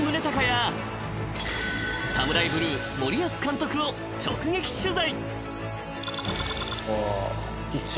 ［ＳＡＭＵＲＡＩＢＬＵＥ森保監督を直撃取材］